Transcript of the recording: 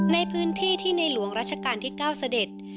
ในพื้นที่ที่ในหลวงรัชกาลที่๙เสด็จ